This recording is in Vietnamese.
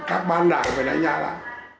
các ban đảng phải đánh giá lại